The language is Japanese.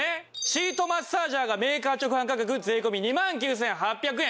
シートマッサージャーがメーカー直販価格税込２万９８００円。